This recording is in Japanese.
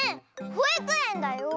「ほいくえん」だよ。